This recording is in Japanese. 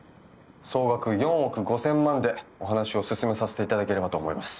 総額４億５，０００万でお話を進めさせていただければと思います。